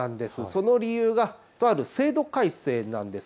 その理由がとある制度改正なんです。